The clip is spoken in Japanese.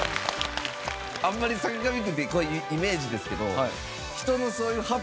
あんまり坂上くんってこれイメージですけど。